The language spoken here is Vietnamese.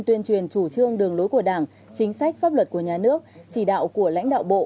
tuyên truyền chủ trương đường lối của đảng chính sách pháp luật của nhà nước chỉ đạo của lãnh đạo bộ